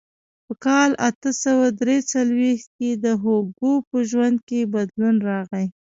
په کال اته سوه درې څلوېښت کې د هوګو په ژوند کې بدلون راغی.